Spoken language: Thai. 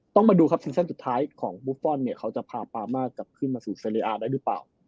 ต้องมาดูครับซิงชั่นสุดท้ายของบุฟฟอลเนี่ยเขาจะพาปามากลับขึ้นมาสู่เซเลอาได้หรือเปล่า